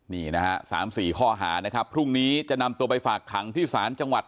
นี่นะฮะ๓๔ข้อหานะครับพรุ่งนี้จะนำตัวไปฝากขังที่ศาลจังหวัด